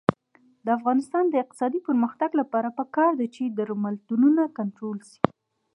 د افغانستان د اقتصادي پرمختګ لپاره پکار ده چې درملتونونه کنټرول شي.